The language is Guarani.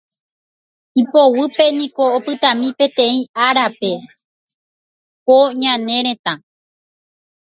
ipoguýpe niko opytami peteĩ árape ko ñane retã